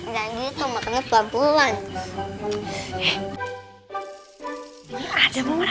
jangan gitu makanya dua puluh an